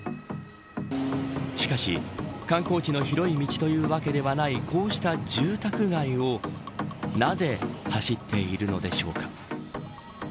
しかし、観光地の広い道というわけではないこうした住宅街をなぜ走っているのでしょうか。